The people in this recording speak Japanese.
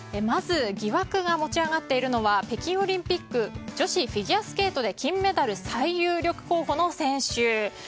まず疑惑が持ち上がっているのは北京オリンピック女子フィギュアスケートで金メダル最有力候補の選手。